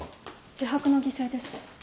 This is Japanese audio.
自白の擬制です。